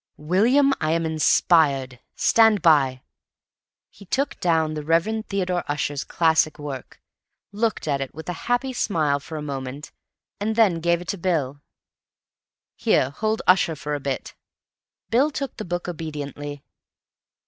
"William, I am inspired. Stand by." He took down the Reverend Theodore Ussher's classic work, looked at it with a happy smile for a moment, and then gave it to Bill. "Here, hold Ussher for a bit." Bill took the book obediently.